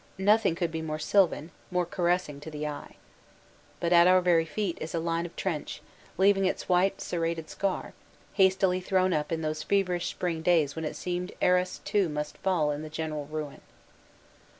Nothing could be more syl van, more caressing to the eye. But at our very feet is a line of trench, leaving its white serrated scar, hastily thrown up in those feverish spring days when it seemed Arras too must fall in the general ruin.